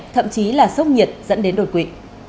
thậm chí là sốc nhiệt dẫn đến đột quỵ